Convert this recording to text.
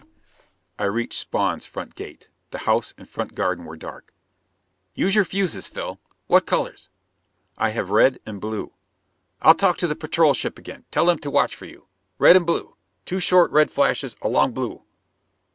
I reached Spawn's front gate. The house and front garden were dark. "Use your fuses, Phil. What colors?" "I have red and blue." "I'll talk to the patrol ship again. Tell them to watch for you. Red and blue. Two short red flashes, a long blue."